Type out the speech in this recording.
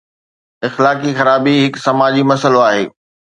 اخلاقي خرابي هڪ سماجي مسئلو آهي.